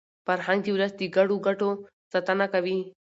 فرهنګ د ولس د ګډو ګټو ساتنه کوي.